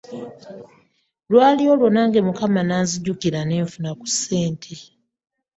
Lwali olwo nange Mukama n'anzijukira ne nfuna ku ssente.